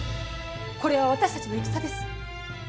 これは私たちの戦です。